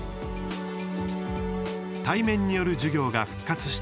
対面による授業が復活した